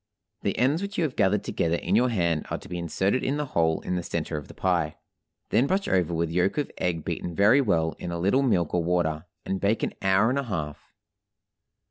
The ends which you have gathered together in your hand are to be inserted in the hole in the center of the pie. Then brush over with yolk of egg beaten very well in a little milk or water, and bake an hour and a half.